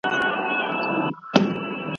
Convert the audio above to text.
هر استاد باید خپله څېړونکی وي.